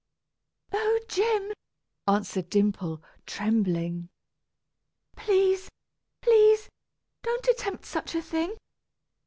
"Oh! Jim," answered Dimple, trembling. "Please, please, don't attempt such a thing.